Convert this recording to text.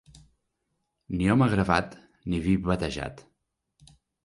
Ni home gravat ni vi batejat.